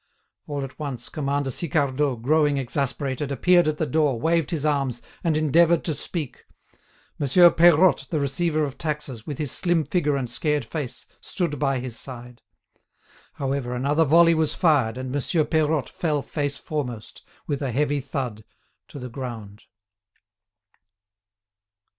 All at once Commander Sicardot, growing exasperated, appeared at the door, waved his arms, and endeavoured to speak. Monsieur Peirotte, the receiver of taxes, with his slim figure and scared face, stood by his side. However, another volley was fired, and Monsieur Peirotte fell face foremost, with a heavy thud, to the ground.